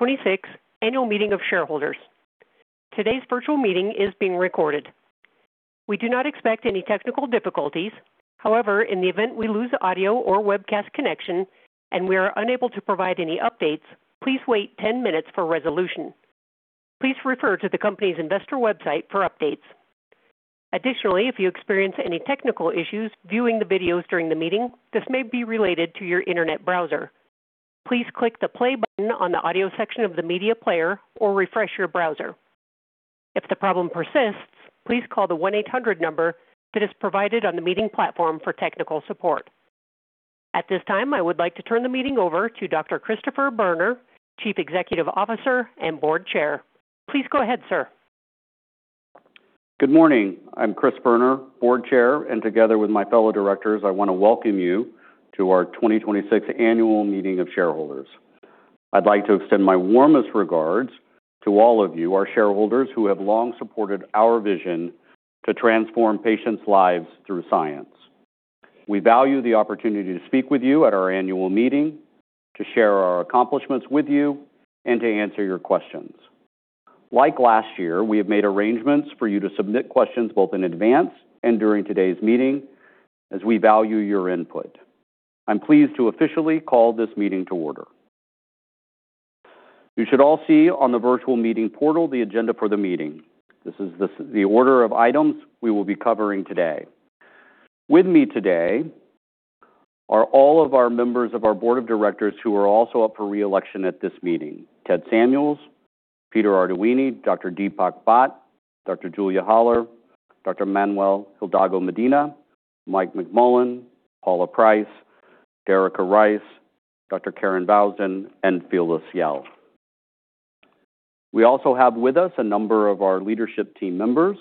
26 Annual Meeting of Shareholders. Today's virtual meeting is being recorded. We do not expect any technical difficulties. However, in the event we lose audio or webcast connection and we are unable to provide any updates, please wait 10 minutes for resolution. Please refer to the company's investor website for updates. Additionally, if you experience any technical issues viewing the videos during the meeting, this may be related to your internet browser. Please click the play button on the audio section of the media player or refresh your browser. If the problem persists, please call the 1-800 number that is provided on the meeting platform for technical support. At this time, I would like to turn the meeting over to Dr. Christopher Boerner, Chief Executive Officer and Board Chair. Please go ahead, sir. Good morning. I'm Chris Boerner, Board Chair, and together with my fellow directors, I want to welcome you to our 2026 Annual Meeting of Shareholders. I'd like to extend my warmest regards to all of you, our shareholders, who have long supported our vision to transform patients' lives through science. We value the opportunity to speak with you at our annual meeting, to share our accomplishments with you, and to answer your questions. Like last year, we have made arrangements for you to submit questions both in advance and during today's meeting, as we value your input. I'm pleased to officially call this meeting to order. You should all see on the virtual meeting portal the agenda for the meeting. This is the order of items we will be covering today. With me today are all of our members of our Board of Directors who are also up for re-election at this meeting, Theodore Samuels, Peter Arduini, Dr. Deepak Bhatt, Dr. Julia Haller, Dr. Manuel Hidalgo Medina, Paula Price, Derica Rice, Dr. Karen Vousden, and Phyllis Yale. We also have with us a number of our leadership team members,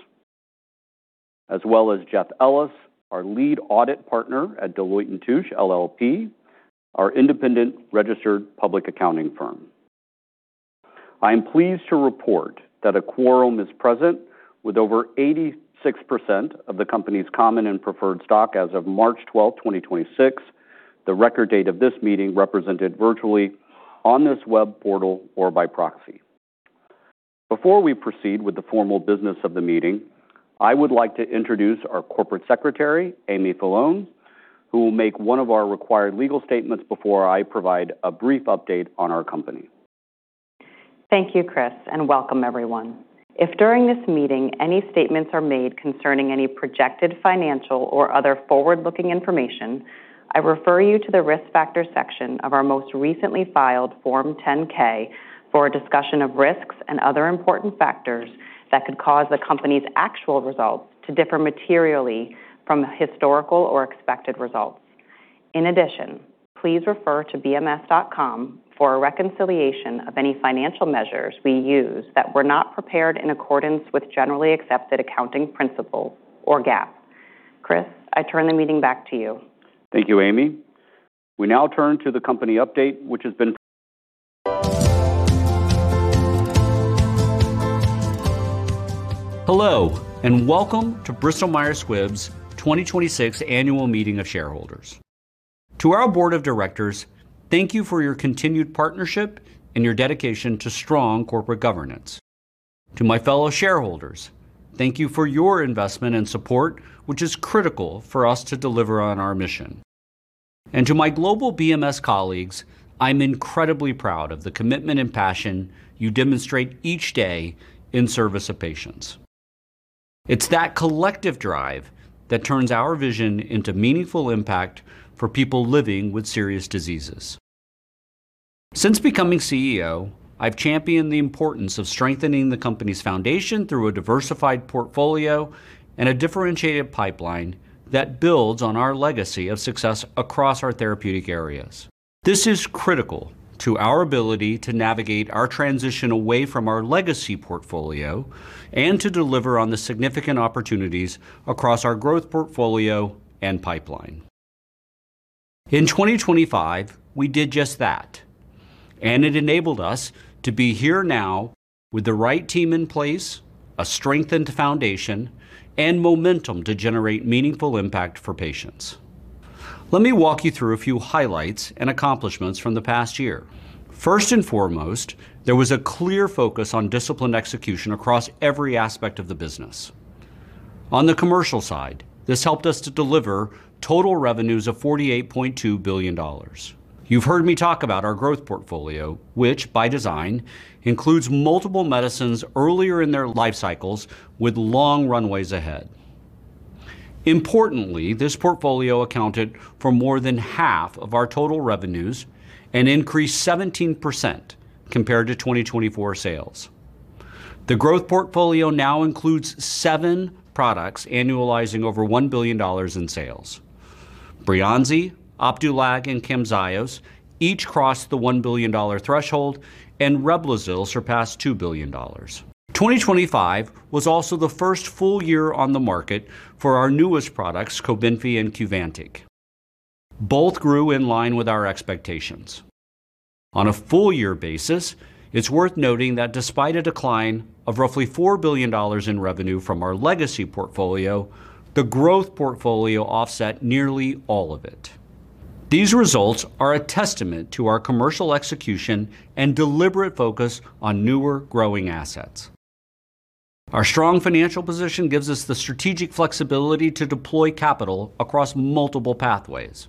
as well as Jeffrey Ellis, our Lead Audit Partner at Deloitte & Touche LLP, our independent registered public accounting firm. I am pleased to report that a quorum is present with over 86% of the company's common and preferred stock as of March 12th, 2026, the record date of this meeting represented virtually on this web portal or by proxy. Before we proceed with the formal business of the meeting, I would like to introduce our Corporate Secretary, Amy Fallone, who will make one of our required legal statements before I provide a brief update on our company. Thank you, Chris, and welcome everyone. If during this meeting any statements are made concerning any projected financial or other forward-looking information, I refer you to the Risk Factors section of our most recently filed Form 10-K for a discussion of risks and other important factors that could cause the company's actual results to differ materially from historical or expected results. In addition, please refer to bms.com for a reconciliation of any financial measures we use that were not prepared in accordance with generally accepted accounting principles or GAAP. Chris, I turn the meeting back to you. Thank you, Amy. We now turn to the company update, which has been. Hello, and welcome to Bristol Myers Squibb's 2026 Annual Meeting of Shareholders. To our board of directors, thank you for your continued partnership and your dedication to strong corporate governance. To my fellow shareholders, thank you for your investment and support, which is critical for us to deliver on our mission. To my global BMS colleagues, I'm incredibly proud of the commitment and passion you demonstrate each day in service of patients. It's that collective drive that turns our vision into meaningful impact for people living with serious diseases. Since becoming CEO, I've championed the importance of strengthening the company's foundation through a diversified portfolio and a differentiated pipeline that builds on our legacy of success across our therapeutic areas. This is critical to our ability to navigate our transition away from our legacy portfolio and to deliver on the significant opportunities across our growth portfolio and pipeline. In 2025, we did just that, and it enabled us to be here now with the right team in place, a strengthened foundation, and momentum to generate meaningful impact for patients. Let me walk you through a few highlights and accomplishments from the past year. First and foremost, there was a clear focus on disciplined execution across every aspect of the business. On the commercial side, this helped us to deliver total revenues of $48.2 billion. You've heard me talk about our growth portfolio, which by design includes multiple medicines earlier in their life cycles with long runaways ahead. Importantly, this portfolio accounted for more than half of our total revenues and increased 17% compared to 2024 sales. The growth portfolio now includes seven products annualizing over $1 billion in sales. BREYANZI, OPDUALAG, and CAMZYOS each crossed the $1 billion threshold, and REBLOZYL surpassed $2 billion. 2025 was also the first full year on the market for our newest products, COBENFY and Qvantig. Both grew in line with our expectations. On a full year basis, it's worth noting that despite a decline of roughly $4 billion in revenue from our legacy portfolio, the growth portfolio offset nearly all of it. These results are a testament to our commercial execution and deliberate focus on newer growing assets. Our strong financial position gives us the strategic flexibility to deploy capital across multiple pathways.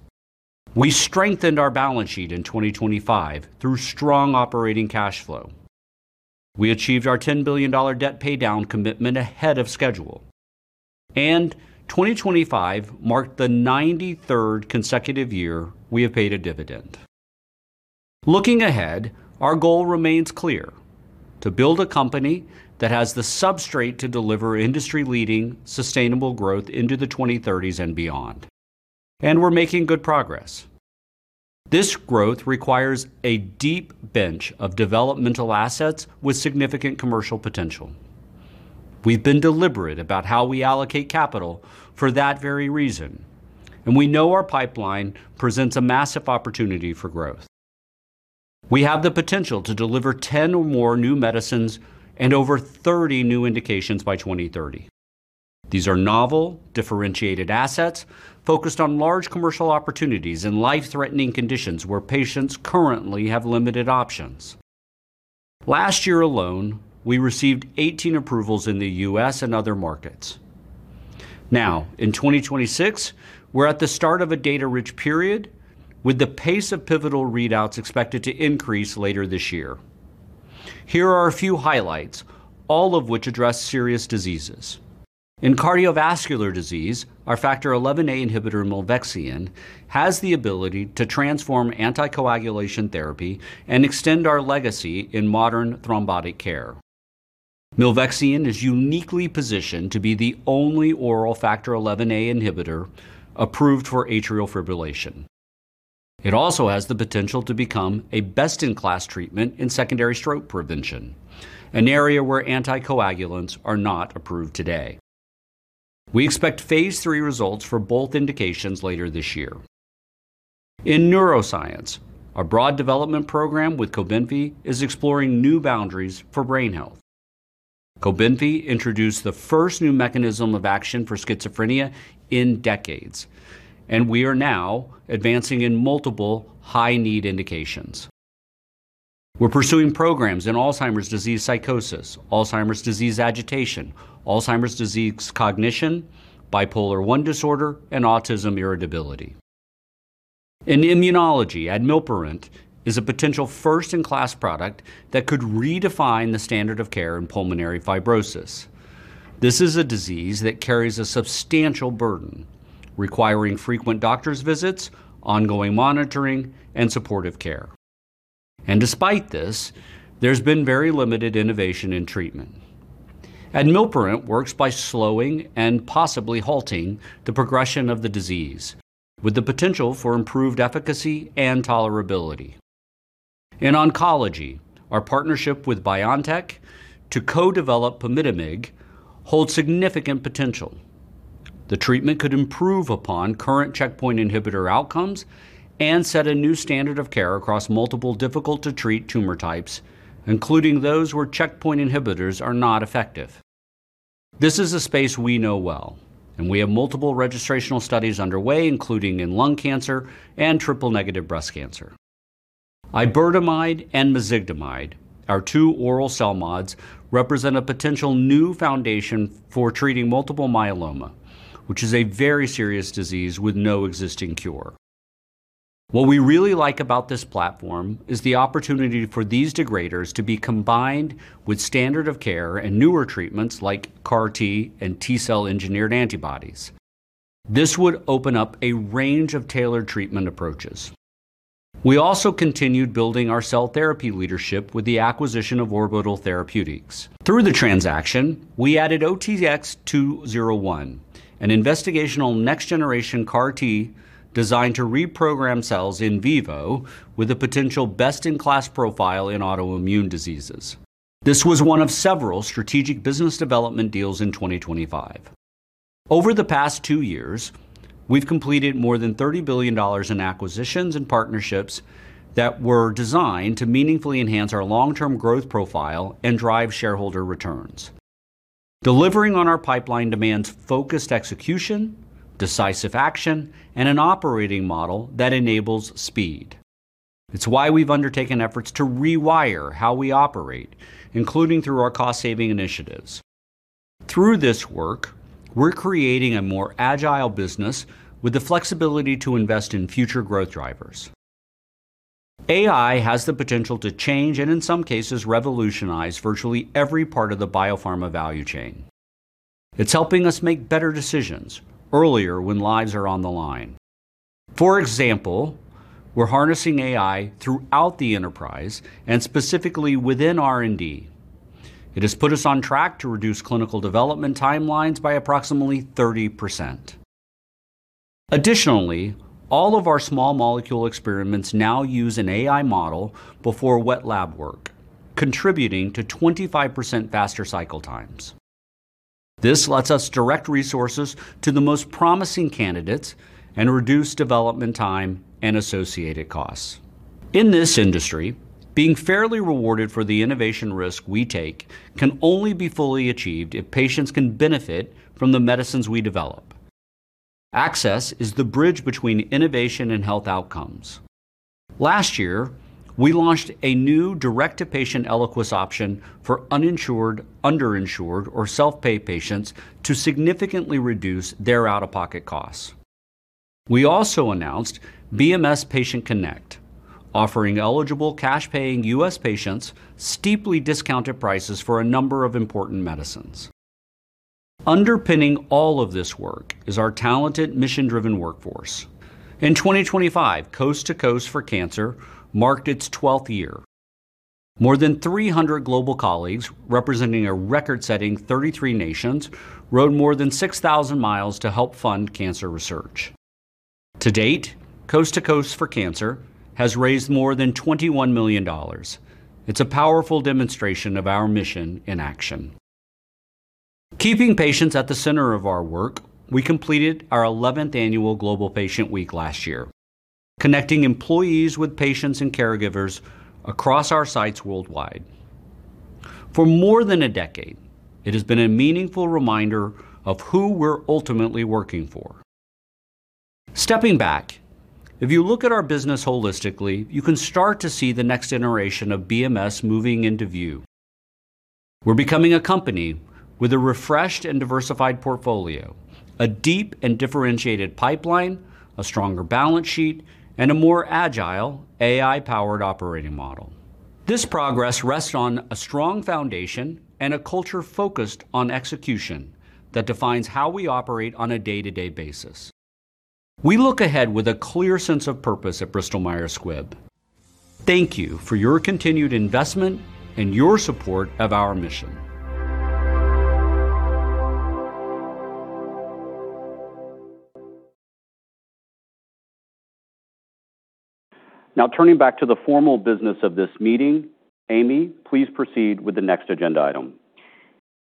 We strengthened our balance sheet in 2025 through strong operating cash flow. We achieved our $10 billion debt paydown commitment ahead of schedule. 2025 marked the 93rd consecutive year we have paid a dividend. Looking ahead, our goal remains clear, to build a company that has the substrate to deliver industry-leading sustainable growth into the 2030s and beyond. We're making good progress. This growth requires a deep bench of developmental assets with significant commercial potential. We've been deliberate about how we allocate capital for that very reason. We know our pipeline presents a massive opportunity for growth. We have the potential to deliver 10 or more new medicines and over 30 new indications by 2030. These are novel, differentiated assets focused on large commercial opportunities in life-threatening conditions where patients currently have limited options. Last year alone, we received 18 approvals in the U.S. and other markets. In 2026, we're at the start of a data-rich period with the pace of pivotal readouts expected to increase later this year. Here are a few highlights, all of which address serious diseases. In cardiovascular disease, our Factor XIa inhibitor milvexian has the ability to transform anticoagulation therapy and extend our legacy in modern thrombotic care. Milvexian is uniquely positioned to be the only oral Factor XIa inhibitor approved for atrial fibrillation. It also has the potential to become a best-in-class treatment in secondary stroke prevention, an area where anticoagulants are not approved today. We expect phase III results for both indications later this year. In neuroscience, our broad development program with COBENFY is exploring new boundaries for brain health. COBENFY introduced the first new mechanism of action for schizophrenia in decades, and we are now advancing in multiple high-need indications. We're pursuing programs in Alzheimer's disease psychosis, Alzheimer's disease agitation, Alzheimer's disease cognition, bipolar 1 disorder, and autism irritability. In immunology, admilparant is a potential first-in-class product that could redefine the standard of care in pulmonary fibrosis. This is a disease that carries a substantial burden, requiring frequent doctor's visits, ongoing monitoring, and supportive care. Despite this, there's been very limited innovation in treatment. Admilparant works by slowing and possibly halting the progression of the disease with the potential for improved efficacy and tolerability. In oncology, our partnership with BioNTech to co-develop pumitamig holds significant potential. The treatment could improve upon current checkpoint inhibitor outcomes and set a new standard of care across multiple difficult-to-treat tumor types, including those where checkpoint inhibitors are not effective. This is a space we know well, and we have multiple registrational studies underway, including in lung cancer and triple-negative breast cancer. iberdomide and mezigdomide, our two oral CELMoDs, represent a potential new foundation for treating multiple myeloma, which is a very serious disease with no existing cure. What we really like about this platform is the opportunity for these degraders to be combined with standard of care and newer treatments like CAR T and T-cell engineered antibodies. This would open up a range of tailored treatment approaches. We also continued building our cell therapy leadership with the acquisition of Orbital Therapeutics. Through the transaction, we added OTX-201, an investigational next-generation CAR T designed to reprogram cells in vivo with a potential best-in-class profile in autoimmune diseases. This was one of several strategic business development deals in 2025. Over the past two years, we've completed more than $30 billion in acquisitions and partnerships that were designed to meaningfully enhance our long-term growth profile and drive shareholder returns. Delivering on our pipeline demands focused execution, decisive action, and an operating model that enables speed. It's why we've undertaken efforts to rewire how we operate, including through our cost-saving initiatives. Through this work, we're creating a more agile business with the flexibility to invest in future growth drivers. AI has the potential to change, and in some cases, revolutionize virtually every part of the biopharma value chain. It's helping us make better decisions earlier when lives are on the line. For example, we're harnessing AI throughout the enterprise and specifically within R&D. It has put us on track to reduce clinical development timelines by approximately 30%. Additionally, all of our small molecule experiments now use an AI model before wet lab work, contributing to 25% faster cycle times. This lets us direct resources to the most promising candidates and reduce development time and associated costs. In this industry, being fairly rewarded for the innovation risk we take can only be fully achieved if patients can benefit from the medicines we develop. Access is the bridge between innovation and health outcomes. Last year, we launched a new direct-to-patient ELIQUIS option for uninsured, underinsured, or self-pay patients to significantly reduce their out-of-pocket costs. We also announced BMS Patient Connect, offering eligible cash-paying U.S. patients steeply discounted Prices for a number of important medicines. Underpinning all of this work is our talented mission-driven workforce. In 2025, Coast to Coast for Cancer marked its 12th year. More than 300 global colleagues representing a record-setting 33 nations rode more than 6,000 miles to help fund cancer research. To date, Coast to Coast for Cancer has raised more than $21 million. It's a powerful demonstration of our mission in action. Keeping patients at the center of our work, we completed our 11th annual Global Patient Week last year, connecting employees with patients and caregivers across our sites worldwide. For more than a decade, it has been a meaningful reminder of who we're ultimately working for. Stepping back, if you look at our business holistically, you can start to see the next generation of BMS moving into view. We're becoming a company with a refreshed and diversified portfolio, a deep and differentiated pipeline, a stronger balance sheet, and a more agile AI-powered operating model. This progress rests on a strong foundation and a culture focused on execution that defines how we operate on a day-to-day basis. We look ahead with a clear sense of purpose at Bristol Myers Squibb. Thank you for your continued investment and your support of our mission. Now turning back to the formal business of this meeting, Amy Fallone, please proceed with the next agenda item.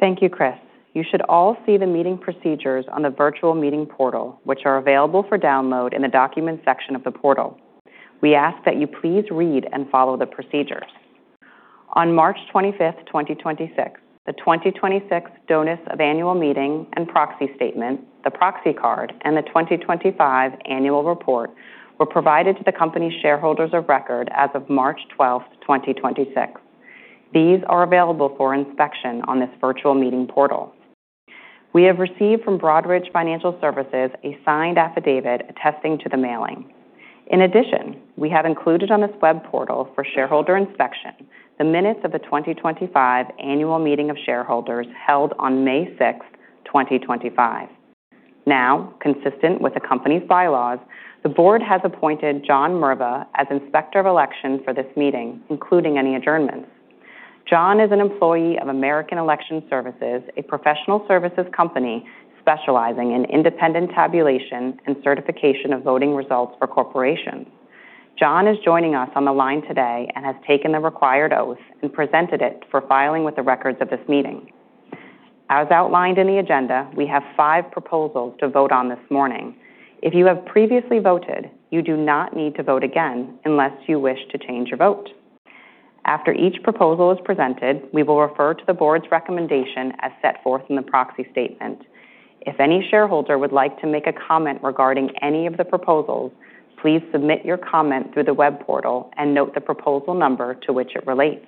Thank you, Chris. You should all see the meeting procedures on the virtual meeting portal, which are available for download in the documents section of the portal. We ask that you please read and follow the procedures. On March 25th, 2026, the 2026th Notice of Annual Meeting and Proxy Statement, the proxy card, and the 2025 Annual Report were provided to the company's shareholders of record as of March 12th, 2026. These are available for inspection on this virtual meeting portal. We have received from Broadridge Financial Solutions, Inc. a signed affidavit attesting to the mailing. In addition, we have included on this web portal for shareholder inspection the minutes of the 2025 Annual Meeting of Shareholders held on May 6th, 2025. Now, consistent with the company's bylaws, the board has appointed John Merva as Inspector of Election for this meeting, including any adjournments. John is an employee of American Election Services, a professional services company specializing in independent tabulation and certification of voting results for John is joining us on the line today and has taken the required oath and presented it for filing with the records of this meeting. As outlined in the agenda, we have five proposals to vote on this morning. If you have previously voted, you do not need to vote again unless you wish to change your vote. After each proposal is presented, we will refer to the Board's recommendation as set forth in the proxy statement. If any shareholder would like to make a comment regarding any of the proposals, please submit your comment through the web portal and note the proposal number to which it relates.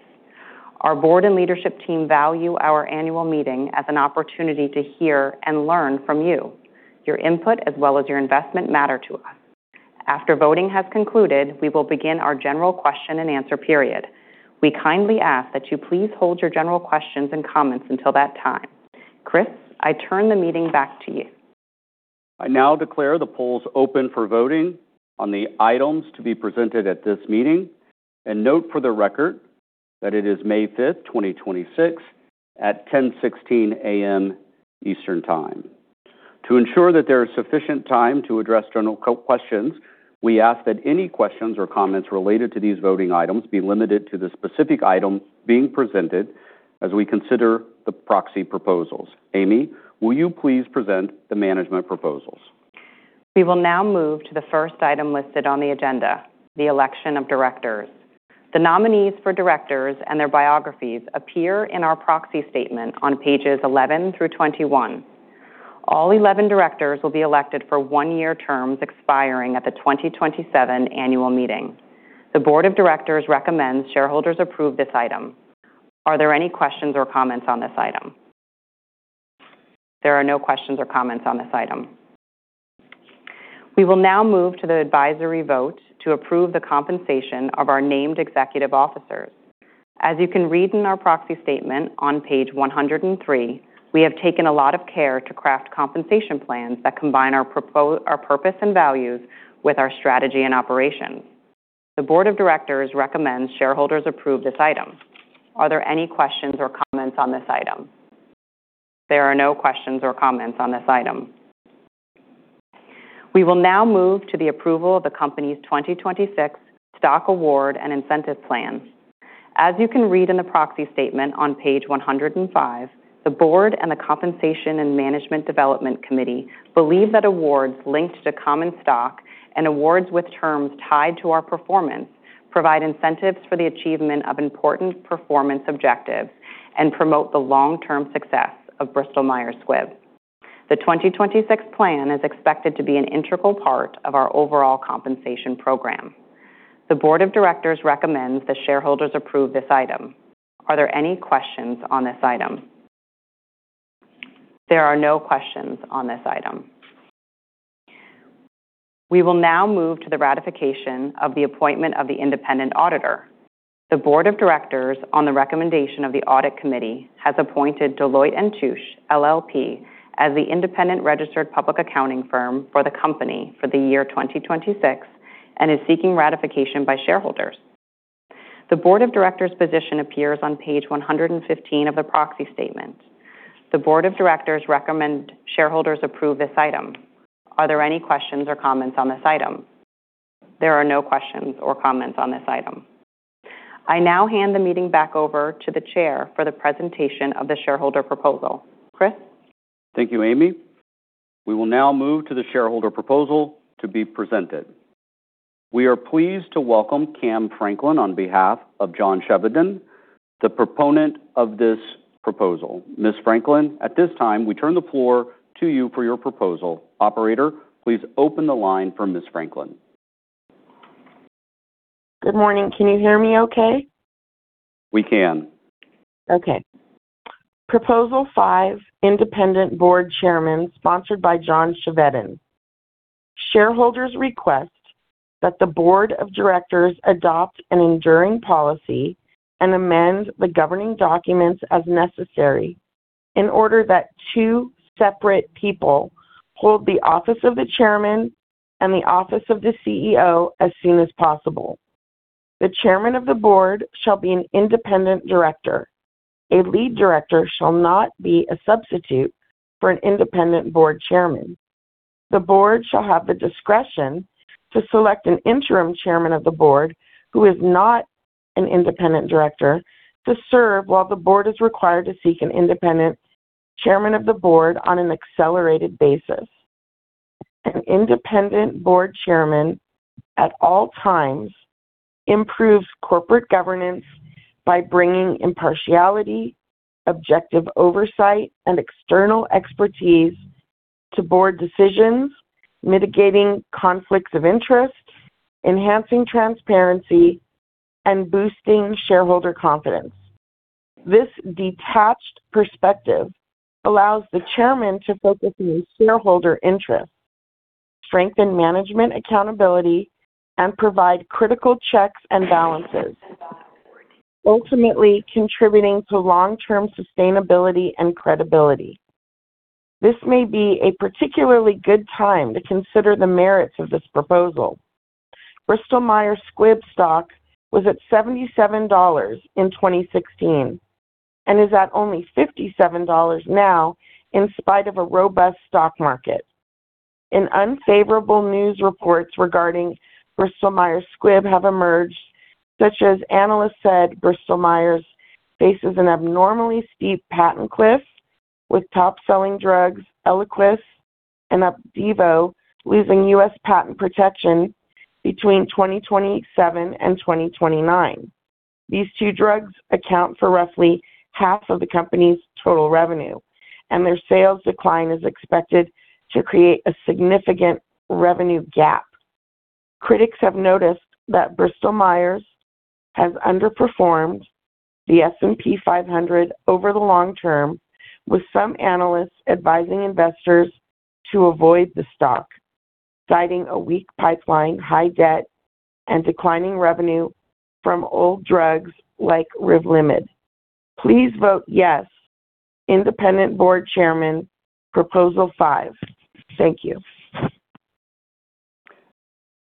Our Board and leadership team value our annual meeting as an opportunity to hear and learn from you. Your input as well as your investment matter to us. After voting has concluded, we will begin our general question-and-answer period. We kindly ask that you please hold your general questions and comments until that time. Chris, I turn the meeting back to you. I now declare the polls open for voting on the items to be presented at this meeting, and note for the record that it is May 5th, 2026, at 10:16 A.M. Eastern Time. To ensure that there is sufficient time to address general questions, we ask that any questions or comments related to these voting items be limited to the specific item being presented as we consider the proxy proposals. Amy, will you please present the management proposals? We will now move to the first item listed on the agenda, the election of directors. The nominees for directors and their biographies appear in our proxy statement on pages 11 through 21. All 11 directors will be elected for 1-year terms expiring at the 2027 annual meeting. The board of directors recommends shareholders approve this item. Are there any questions or comments on this item? There are no questions or comments on this item. We will now move to the advisory vote to approve the compensation of our named executive officers. As you can read in our proxy statement on page 103, we have taken a lot of care to craft compensation plans that combine our purpose and values with our strategy and operations. The board of directors recommends shareholders approve this item. Are there any questions or comments on this item? There are no questions or comments on this item. We will now move to the approval of the company's 2026 stock award and incentive plans. As you can read in the proxy statement on page 105, the board and the Compensation and Management Development Committee believe that awards linked to common stock and awards with terms tied to our performance provide incentives for the achievement of important performance objectives and promote the long-term success of Bristol Myers Squibb. The 2026 plan is expected to be an integral part of our overall compensation program. The board of directors recommends that shareholders approve this item. Are there any questions on this item? There are no questions on this item. We will now move to the ratification of the appointment of the independent auditor. The board of directors, on the recommendation of the audit committee, has appointed Deloitte & Touche LLP as the independent registered public accounting firm for the company for the year 2026 and is seeking ratification by shareholders. The board of directors' position appears on page 115 of the proxy statement. The board of directors recommend shareholders approve this item. Are there any questions or comments on this item? There are no questions or comments on this item. I now hand the meeting back over to the chair for the presentation of the shareholder proposal. Chris? Thank you, Amy. We will now move to the shareholder proposal to be presented. We are pleased to welcome Cam Franklin on behalf of John Chevedden, the proponent of this proposal. Ms. Franklin, at this time, we turn the floor to you for your proposal. Operator, please open the line for Ms. Franklin. Good morning. Can you hear me okay? We can. Proposal five, independent board chairman, sponsored by John Chevedden. Shareholders request that the Board of Directors adopt an enduring policy and amend the governing documents as necessary in order that two separate people hold the office of the chairman and the office of the CEO as soon as possible. The chairman of the board shall be an independent director. A lead director shall not be a substitute for an independent board chairman. The Board shall have the discretion to select an interim chairman of the board who is not an independent director to serve while the Board is required to seek an independent chairman of the board on an accelerated basis. An independent board chairman at all times improves corporate governance by bringing impartiality, objective oversight, and external expertise to Board decisions, mitigating conflicts of interest, enhancing transparency, and boosting shareholder confidence. This detached perspective allows the chairman to focus on shareholder interest, strengthen management accountability, and provide critical checks and balances, ultimately contributing to long-term sustainability and credibility. This may be a particularly good time to consider the merits of this proposal. Bristol Myers Squibb stock was at $77 in 2016 and is at only $57 now in spite of a robust stock market, and unfavorable news reports regarding Bristol Myers Squibb have emerged, such as analysts said Bristol Myers faces an abnormally steep patent cliff, with top-selling drugs ELIQUIS and OPDIVO losing U.S. patent protection between 2027 and 2029. These two drugs account for roughly half of the company's total revenue, and their sales decline is expected to create a significant revenue gap. Critics have noticed that Bristol Myers has underperformed the S&P 500 over the long term, with some analysts advising investors to avoid the stock, citing a weak pipeline, high debt, and declining revenue from old drugs like REVLIMID. Please vote yes, independent board chairman, proposal five. Thank you.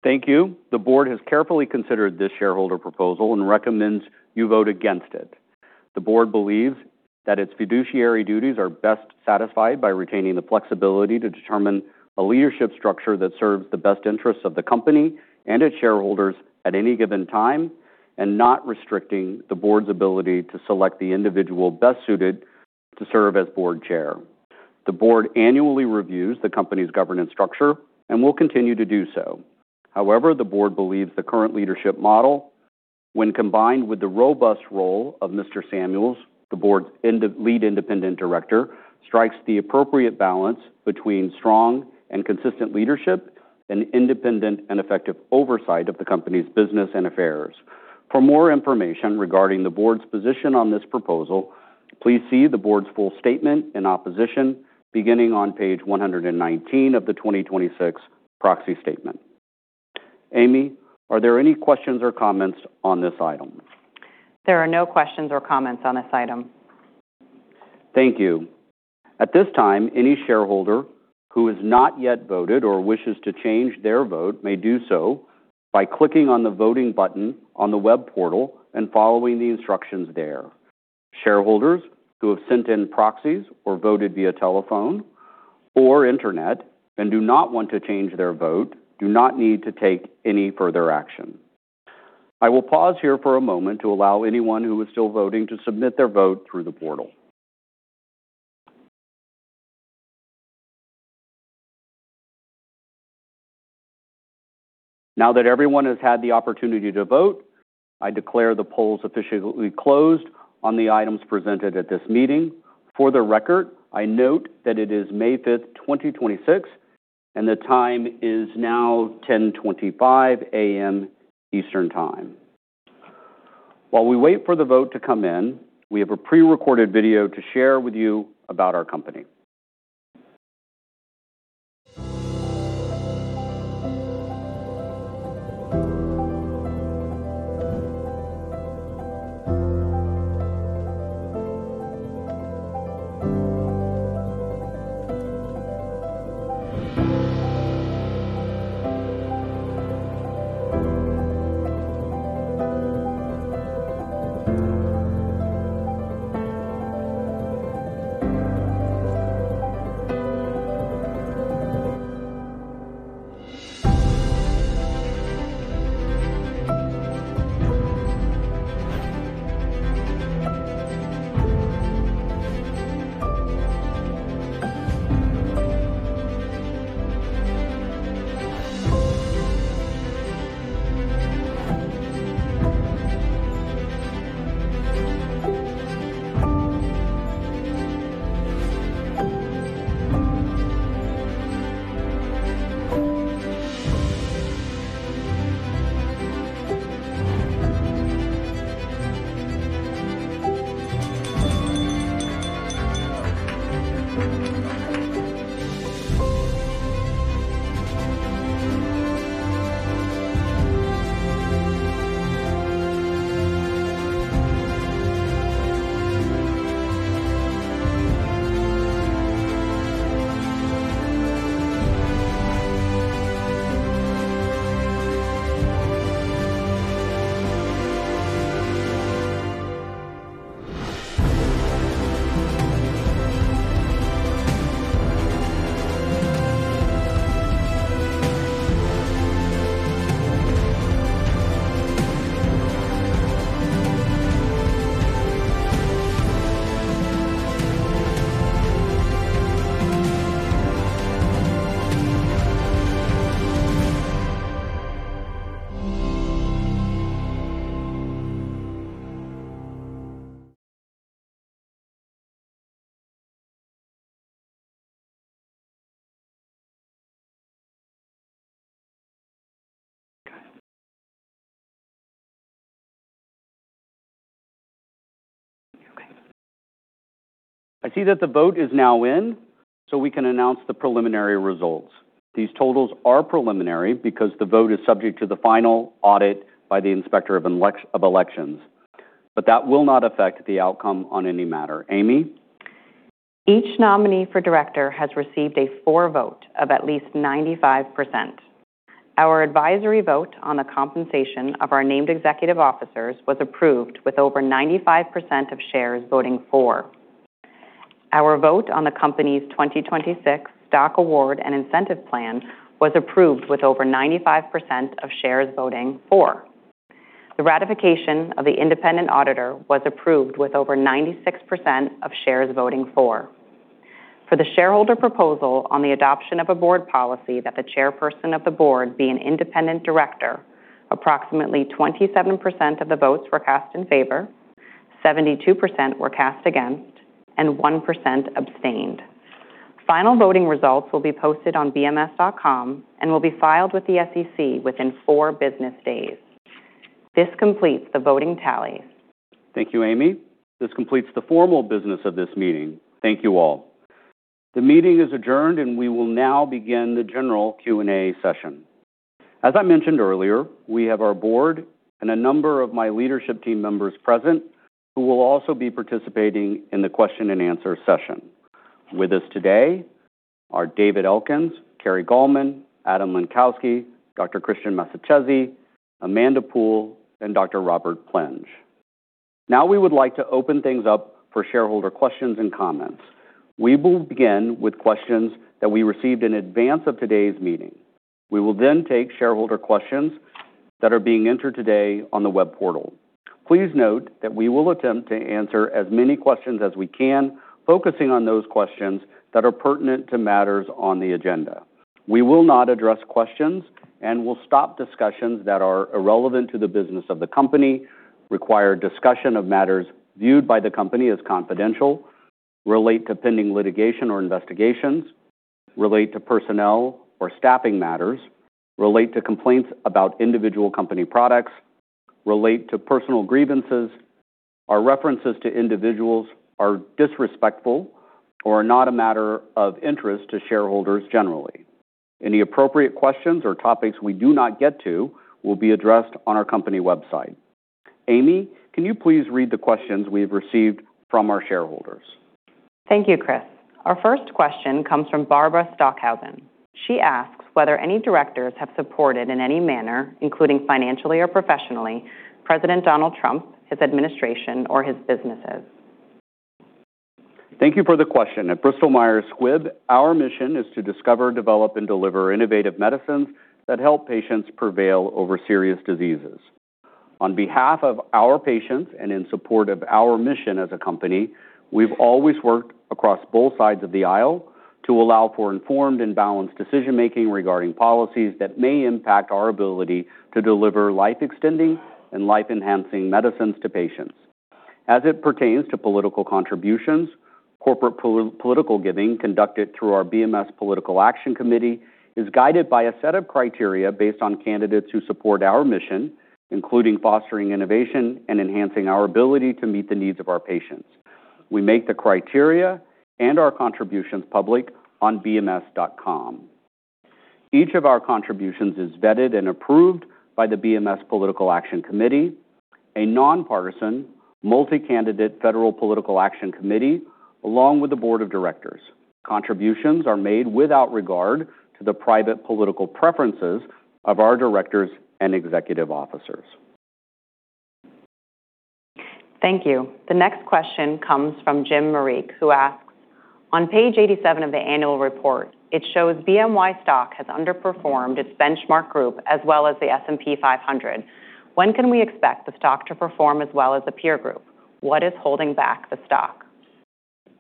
Thank you. The board has carefully considered this shareholder proposal and recommends you vote against it. The board believes that its fiduciary duties are best satisfied by retaining the flexibility to determine a leadership structure that serves the best interests of the company and its shareholders at any given time and not restricting the board's ability to select the individual best suited to serve as board chair. The board annually reviews the company's governance structure and will continue to do so. However, the board believes the current leadership model, when combined with the robust role of Mr. Samuels, the board's lead independent director, strikes the appropriate balance between strong and consistent leadership and independent and effective oversight of the company's business and affairs. For more information regarding the board's position on this proposal, please see the board's full statement and opposition beginning on page 119 of the 2026 proxy statement. Amy Fallone, are there any questions or comments on this item? There are no questions or comments on this item. Thank you. At this time, any shareholder who has not yet voted or wishes to change their vote may do so by clicking on the voting button on the web portal and following the instructions there. Shareholders who have sent in proxies or voted via telephone or internet and do not want to change their vote do not need to take any further action. I will pause here for a moment to allow anyone who is still voting to submit their vote through the portal. Now that everyone has had the opportunity to vote, I declare the polls officially closed on the items presented at this meeting. For the record, I note that it is May 5th, 2026, and the time is now 10:25 A.M. Eastern Time. While we wait for the vote to come in, we have a pre-recorded video to share with you about our company. I see that the vote is now in, so we can announce the preliminary results. These totals are preliminary because the vote is subject to the final audit by the Inspector of Election, but that will not affect the outcome on any matter. Amy? Each nominee for director has received a for vote of at least 95%. Our advisory vote on the compensation of our named executive officers was approved with over 95% of shares voting for. Our vote on the company's 2026 stock award and incentive plan was approved with over 95% of shares voting for. The ratification of the independent auditor was approved with over 96% of shares voting for. For the shareholder proposal on the adoption of a board policy that the chairperson of the board be an independent director, approximately 27% of the votes were cast in favor, 72% were cast against, and 1% abstained. Final voting results will be posted on bms.com and will be filed with the SEC within four business days. This completes the voting tally. Thank you, Amy. This completes the formal business of this meeting. Thank you all. The meeting is adjourned, and we will now begin the general Q&A session. As I mentioned earlier, we have our board and a number of my leadership team members present who will also be participating in the question and answer session. With us today are David Elkins, Cari Gallman, Adam Lenkowsky, Dr. Cristian Massacesi, Amanda Poole, and Dr. Robert Plenge. Now we would like to open things up for shareholder questions and comments. We will begin with questions that we received in advance of today's meeting. We will then take shareholder questions that are being entered today on the web portal. Please note that we will attempt to answer as many questions as we can, focusing on those questions that are pertinent to matters on the agenda. We will not address questions and will stop discussions that are irrelevant to the business of the company, require discussion of matters viewed by the company as confidential, relate to pending litigation or investigations, relate to personnel or staffing matters, relate to complaints about individual company products, relate to personal grievances, are references to individuals, are disrespectful, or are not a matter of interest to shareholders generally. Any appropriate questions or topics we do not get to will be addressed on our company website. Amy, can you please read the questions we have received from our shareholders? Thank you, Chris. Our first question comes from Barbara Stockhausen. She asks whether any directors have supported in any manner, including financially or professionally, President Donald Trump, his administration, or his businesses. Thank you for the question. At Bristol Myers Squibb, our mission is to discover, develop, and deliver innovative medicines that help patients prevail over serious diseases. On behalf of our patients and in support of our mission as a company, we've always worked across both sides of the aisle to allow for informed and balanced decision-making regarding policies that may impact our ability to deliver life-extending and life-enhancing medicines to patients. As it pertains to political contributions, corporate political giving conducted through our BMS Political Action Committee is guided by a set of criteria based on candidates who support our mission, including fostering innovation and enhancing our ability to meet the needs of our patients. We make the criteria and our contributions public on bms.com. Each of our contributions is vetted and approved by the BMS Political Action Committee, a nonpartisan, multi-candidate federal political action committee, along with the Board of Directors. Contributions are made without regard to the private political preferences of our directors and executive officers. Thank you. The next question comes from Jim Marique, who asks, "On page 87 of the annual report, it shows BMY stock has underperformed its benchmark group as well as the S&P 500. When can we expect the stock to perform as well as the peer group? What is holding back the stock?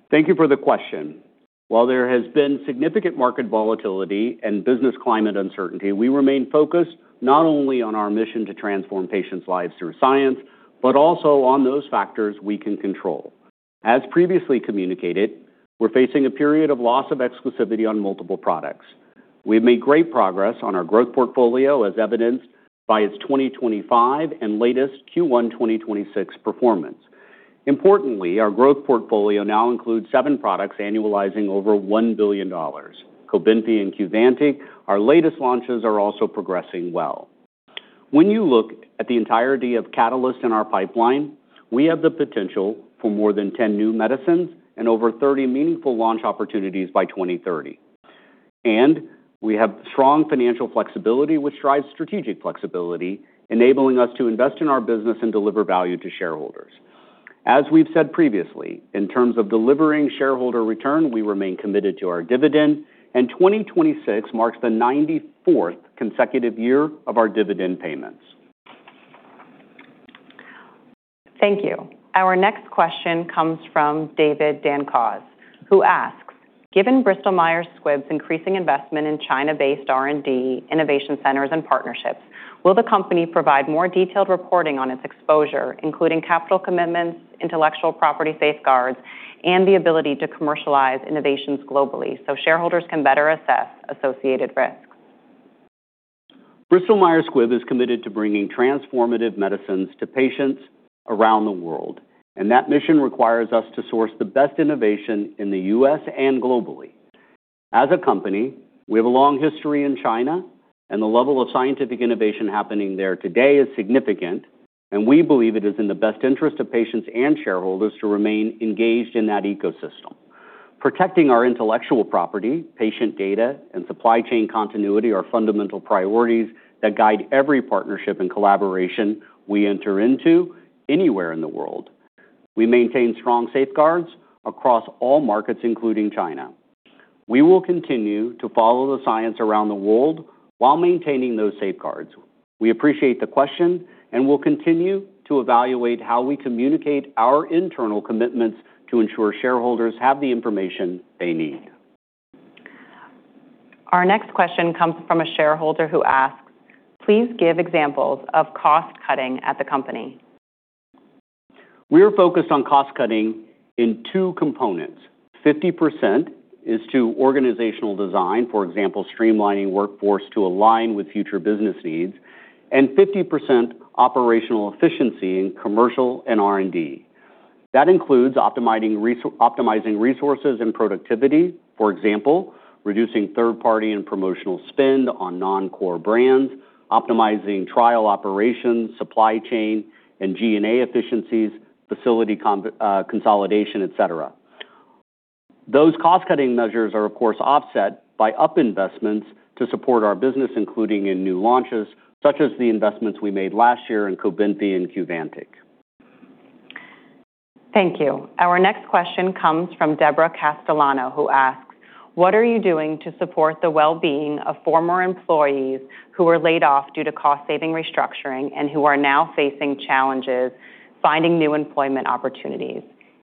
Thank you for the question. While there has been significant market volatility and business climate uncertainty, we remain focused not only on our mission to transform patients' lives through science, but also on those factors we can control. As previously communicated, we're facing a period of loss of exclusivity on multiple products. We've made great progress on our growth portfolio, as evidenced by its 2025 and latest Q1 2026 performance. Importantly, our growth portfolio now includes 7 products annualizing over $1 billion. COBENFY and Qvantig, our latest launches, are also progressing well. When you look at the entirety of catalysts in our pipeline, we have the potential for more than 10 new medicines and over 30 meaningful launch opportunities by 2030. We have strong financial flexibility which drives strategic flexibility, enabling us to invest in our business and deliver value to shareholders. As we've said previously, in terms of delivering shareholder return, we remain committed to our dividend, and 2026 marks the 94th consecutive year of our dividend payments. Thank you. Our next question comes from David Dancause, who asks, "Given Bristol Myers Squibb's increasing investment in China-based R&D, innovation centers, and partnerships, will the company provide more detailed reporting on its exposure, including capital commitments, intellectual property safeguards, and the ability to commercialize innovations globally so shareholders can better assess associated risks? Bristol Myers Squibb is committed to bringing transformative medicines to patients around the world. That mission requires us to source the best innovation in the U.S. and globally. As a company, we have a long history in China, the level of scientific innovation happening there today is significant. We believe it is in the best interest of patients and shareholders to remain engaged in that ecosystem. Protecting our intellectual property, patient data, and supply chain continuity are fundamental priorities that guide every partnership and collaboration we enter into anywhere in the world. We maintain strong safeguards across all markets, including China. We will continue to follow the science around the world while maintaining those safeguards. We appreciate the question. We'll continue to evaluate how we communicate our internal commitments to ensure shareholders have the information they need. Our next question comes from a shareholder who asks, "Please give examples of cost-cutting at the company. We are focused on cost-cutting in two components. 50% is to organizational design, for example, streamlining workforce to align with future business needs, and 50% operational efficiency in commercial and R&D. That includes optimizing resources and productivity, for example, reducing third-party and promotional spend on non-core brands, optimizing trial operations, supply chain, and G&A efficiencies, facility consolidation, et cetera. Those cost-cutting measures are, of course, offset by up investments to support our business, including in new launches, such as the investments we made last year in COBENFY and Qvantig. Thank you. Our next question comes from Deborah Castellano, who asks, "What are you doing to support the well-being of former employees who were laid off due to cost-saving restructuring and who are now facing challenges finding new employment opportunities?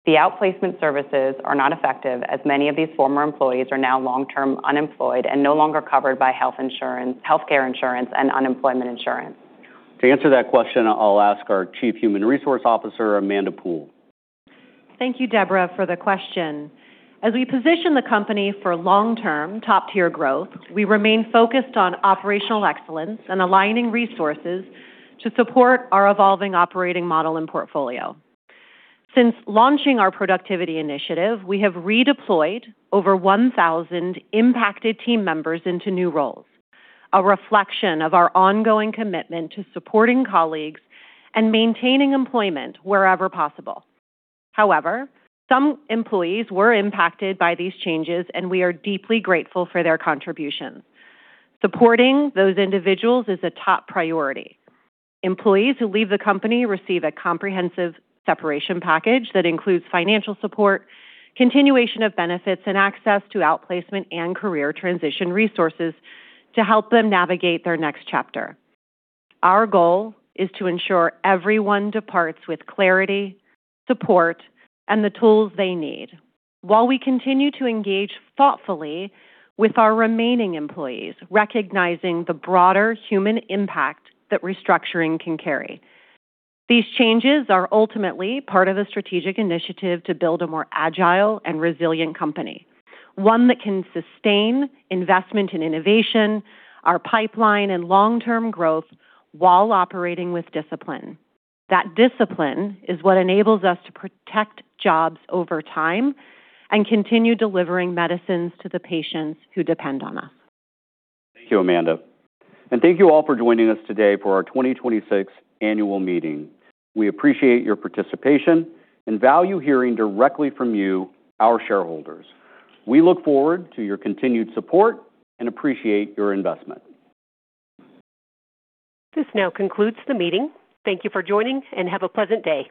The outplacement services are not effective, as many of these former employees are now long-term unemployed and no longer covered by health insurance, healthcare insurance, and unemployment insurance. To answer that question, I'll ask our Chief Human Resource Officer, Amanda Poole. Thank you, Deborah, for the question. As we position the company for long-term top-tier growth, we remain focused on operational excellence and aligning resources to support our evolving operating model and portfolio. Since launching our productivity initiative, we have redeployed over 1,000 impacted team members into new roles, a reflection of our ongoing commitment to supporting colleagues and maintaining employment wherever possible. However, some employees were impacted by these changes, and we are deeply grateful for their contributions. Supporting those individuals is a top priority. Employees who leave the company receive a comprehensive separation package that includes financial support, continuation of benefits, and access to outplacement and career transition resources to help them navigate their next chapter. Our goal is to ensure everyone departs with clarity, support, and the tools they need while we continue to engage thoughtfully with our remaining employees, recognizing the broader human impact that restructuring can carry. These changes are ultimately part of a strategic initiative to build a more agile and resilient company, one that can sustain investment in innovation, our pipeline, and long-term growth while operating with discipline. That discipline is what enables us to protect jobs over time and continue delivering medicines to the patients who depend on us. Thank you, Amanda, thank you all for joining us today for our 2026 Annual Meeting. We appreciate your participation and value hearing directly from you, our shareholders. We look forward to your continued support and appreciate your investment. This now concludes the meeting. Thank you for joining, and have a pleasant day.